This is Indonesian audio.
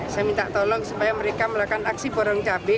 saya minta tolong supaya mereka melakukan aksi borong cabai